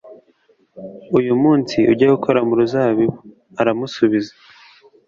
uyu munsi ujye gukora mu ruzabibu Aramusubiza